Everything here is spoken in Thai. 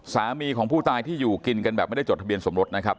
สามีของผู้ตายที่อยู่กินกันแบบไม่ได้จดทะเบียนสมรสนะครับ